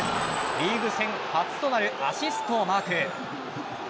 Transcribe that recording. リーグ戦初となるアシストをマーク。